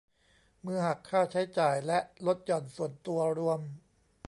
เมื่อหักค่าใช้จ่ายและลดหย่อนส่วนตัวรวม